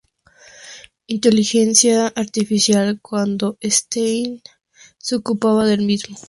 Inteligencia artificial" cuando Stanley Kubrick se ocupaba del mismo.